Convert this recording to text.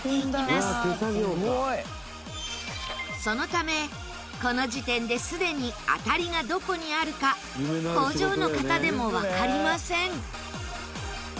そのためこの時点ですでに当たりがどこにあるか工場の方でもわかりません。